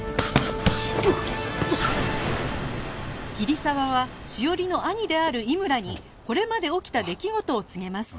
桐沢は史織の兄である井村にこれまで起きた出来事を告げます